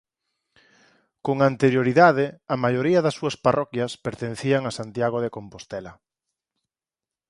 Con anterioridade a maioría das súas parroquias pertencían a Santiago de Compostela.